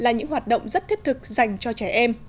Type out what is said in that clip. là những hoạt động rất thiết thực dành cho trẻ em